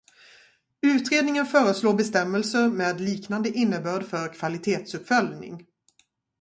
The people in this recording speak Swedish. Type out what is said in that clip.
Utredningen föreslår bestämmelser med liknande innebörd för kvalitetsuppföljning.